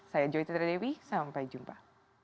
saya joy tidra dewi sampai jumpa